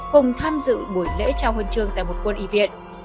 cùng tham dự buổi lễ trao huân trường tại một quân y viện